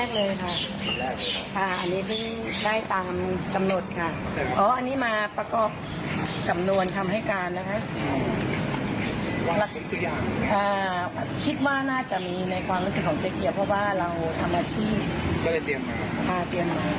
มันต้องมีข้อมูลส่วนนี้ถ้าเจ๊เกียวติดเอามาเองนะครับ